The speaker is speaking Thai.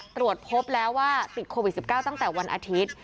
ตรวจพบแล้วว่าติดโควิด๑๙ตั้งแต่วันอาทิตย์